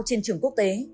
trên trường quốc tế